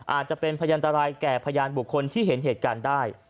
อาจจะเป็นพยันตรายแก่พยานบุคคลที่เห็นเหตุการณ์ได้